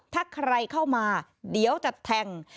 ถ้าใครเข้ามาเดี๋ยวจะแทง